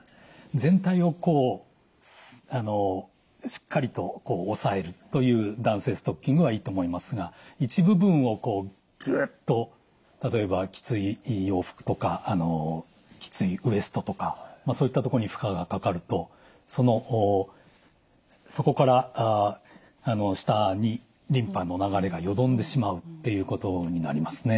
全体をこうしっかりと押さえるという弾性ストッキングはいいと思いますが一部分をぐっと例えばきつい洋服とかきついウエストとかそういったところに負荷がかかるとそこから下にリンパの流れがよどんでしまうっていうことになりますね。